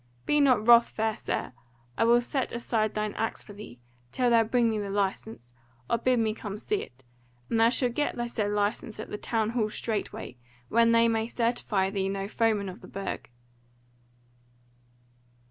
Be not wrath, fair sir, I will set aside thine axe for thee, till thou bring me the license, or bid me come see it, and thou shalt get the said license at the Town Hall straight way, when they may certify thee no foeman of the Burg."